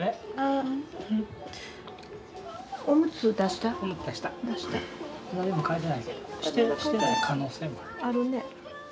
あるね。